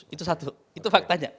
itu satu itu faktanya